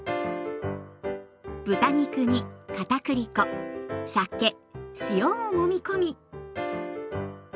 豚肉に片栗粉酒塩をもみ込み。